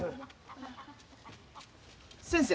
先生